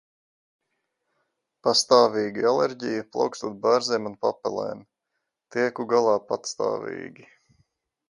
Pastāvīgi alerģija, plaukstot bērziem un papelēm. Tieku galā patstāvīgi.